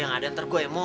yang ada ntar gue emosin